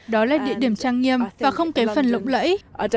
đó là địa điểm trang nghiêm và không kém phần lộng lẫy